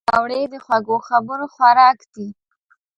پکورې د خوږو خبرو خوراک دي